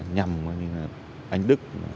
nhằm anh đức